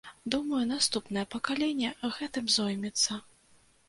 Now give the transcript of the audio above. Думаю, наступнае пакаленне гэтым зоймецца.